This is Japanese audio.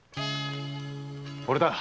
俺だ。